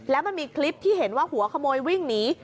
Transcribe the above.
แล้วมันมีคลิปที่เห็นว่าหัวขโมยวิ่งหนี